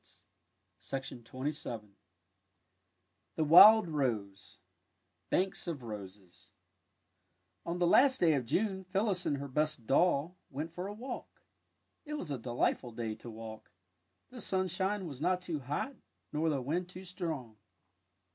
THE WILD ROSE THE WILD ROSE BANKS OF ROSES On the last day of June, Phyllis and her best doll went for a walk. It was a delightful day to walk. The sunshine was not too hot, nor the wind too strong.